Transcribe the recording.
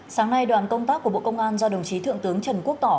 sáng nay đoàn công tác của bộ công an do đồng chí thượng tướng trần quốc tỏ